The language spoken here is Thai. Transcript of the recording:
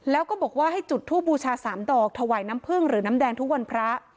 แล้วก็บอกว่าให้จุดทูบบูชา๓ดอกถวายน้ำพึ่งหรือน้ำแดงทุกวันพระ